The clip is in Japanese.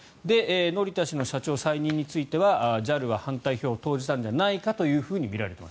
乗田氏の社長再任についてはＪＡＬは反対票を投じたんじゃないかとみられている。